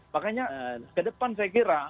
makanya kedepan saya kira